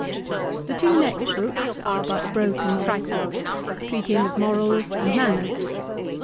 The two next books are but broken fragments, treating of morals and manners.